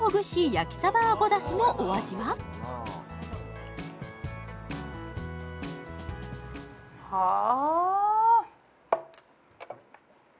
焼きさばあご出汁のお味は？はあ！